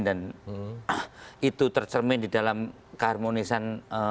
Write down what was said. dan itu tercermin di dalam keharmonisan